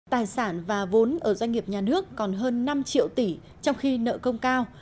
tài sản và vốn ở doanh nghiệp nhà nước còn hơn năm triệu tỷ trong khi nợ công cao